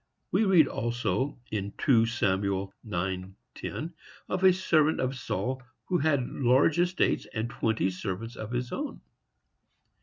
We read, also, in 2 Samuel 9:10, of a servant of Saul who had large estates, and twenty servants of his own.